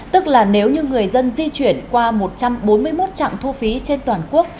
tức là nếu như người dân di chuyển qua một trăm bốn mươi một trạm thu phí trên toàn quốc